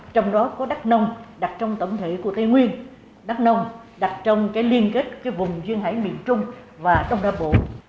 trong đó có đắk nông đặt trong tổng thể của tây nguyên đắk nông đặt trong liên kết vùng duyên hải miền trung và đông nam bộ